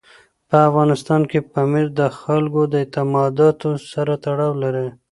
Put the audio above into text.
په افغانستان کې پامیر د خلکو د اعتقاداتو سره تړاو لري.